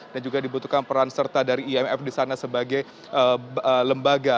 dan juga dibutuhkan peran serta dari imf di sana sebagai lembaga